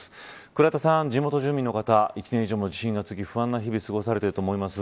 倉田さん、地元住民の方１年以上地震が続き不安な日々を過ごされていると思います。